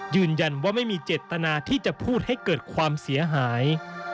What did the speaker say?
ยืนยันว่าไม่มีเจตนาที่จะพูดให้เกิดความเสียหาย